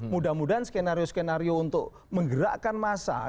mudah mudahan skenario skenario untuk menggerakkan massa